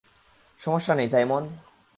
সমস্যা নেই, সাইমন!